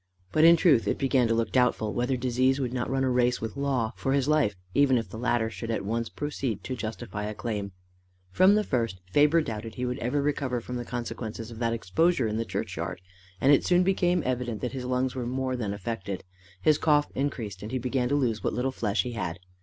But in truth it began to look doubtful whether disease would not run a race with law for his life, even if the latter should at once proceed to justify a claim. From the first Faber doubted if he would ever recover from the consequences of that exposure in the churchyard, and it soon became evident that his lungs were more than affected. His cough increased, and he began to lose what little flesh he had.